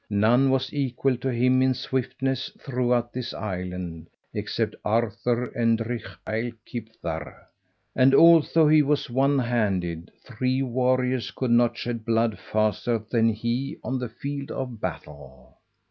None was equal to him in swiftness throughout this island except Arthur and Drych Ail Kibthar. And although he was one handed, three warriors could not shed blood faster than he on the field of battle.